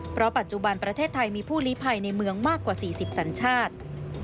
เพราะปัจจุบันประเทศไทยมีผู้ลิภัยในเมืองมากกว่า๔๐สัญชาติ